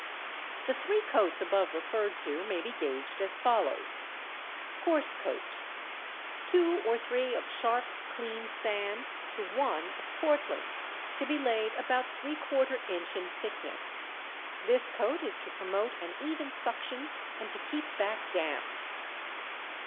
The three coats above referred to may be gauged as follows: Coarse Coat. 2 or 3 of sharp clean sand to 1 of Portland, to be laid about 3/4 inch in thickness. This coat is to promote an even suction and to keep back damp.